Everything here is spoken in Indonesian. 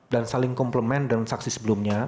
dan saling komplement dengan saksi sebelumnya